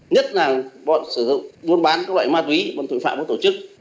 nhất là bọn sử dụng buôn bán các loại ma túy bọn tội phạm có tổ chức